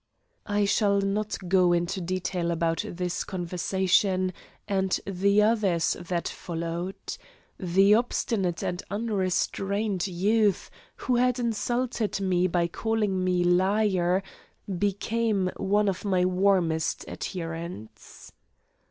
I shall not go into detail about this conversation and the others that followed. The obstinate and unrestrained youth, who had insulted me by calling me liar, became one of my warmest adherents.